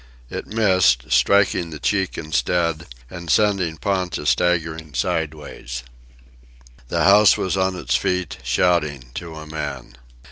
It missed, striking the cheek instead, and sending Ponta staggering sideways. The house was on its feet, shouting, to a man.